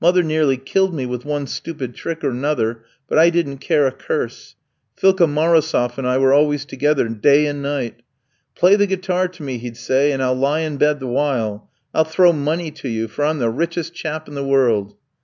Mother nearly killed me with one stupid trick or another, but I didn't care a curse. Philka Marosof and I were always together day and night. 'Play the guitar to me,' he'd say, 'and I'll lie in bed the while. I'll throw money to you, for I'm the richest chap in the world!'